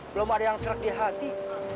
belom ada yang serag di hati